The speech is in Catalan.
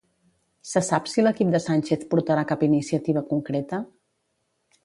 Se sap si l'equip de Sánchez portarà cap iniciativa concreta?